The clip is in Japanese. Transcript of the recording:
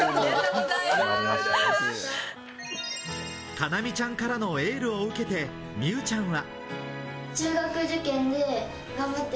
叶望ちゃんからのエールを受けて美羽ちゃんは。